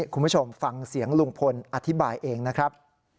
คุณผู้ชมฟังเสียงลุงพลอธิบายเองนะครับ